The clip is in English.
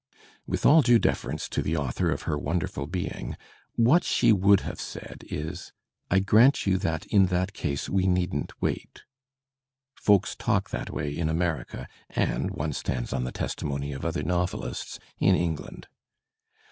With all due deference to the author of her wonderful being, what she would have said is: "I grant you that in that case we needn't wait." Folks talk that way in America, and (one stands on the testimony of other novelists) in England.